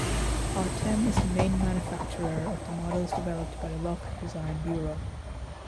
Artem is the main manufacturer of the models developed by the Luch Design Bureau.